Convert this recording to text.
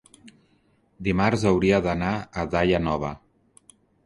Dimarts hauria d'anar a Daia Nova.